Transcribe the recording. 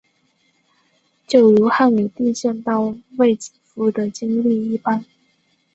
就如汉武帝见到卫子夫的经历一般。